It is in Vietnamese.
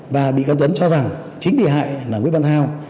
và bị cáo tuấn cho rằng chính bị hại là nguyễn văn thao